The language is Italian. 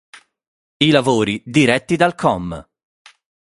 I lavori, diretti dal comm.